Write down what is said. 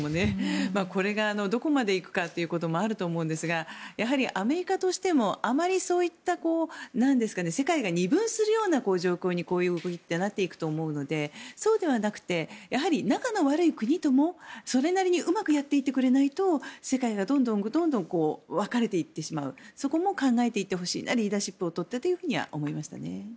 これがどこまで行くかもあると思うんですがやはりアメリカとしてもあまりそういった世界が二分するような状況にこういうことってなっていくと思うのでそうではなくて仲の悪い国ともそれなりにうまくやっていってくれないと世界がどんどん分かれていってしまうそこも考えていってほしいなリーダーシップを取ってと思ってしまいましたね。